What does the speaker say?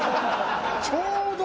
ちょうど！